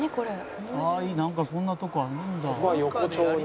「なんかこんな所あるんだ」